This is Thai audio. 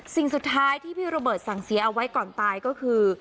สิ่งสุดท้ายที่พี่โรเบิร์ตสั่งเสียเอาไว้ก่อนตายก็คือ